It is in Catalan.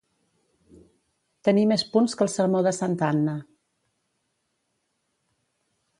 Tenir més punts que el sermó de Santa Anna.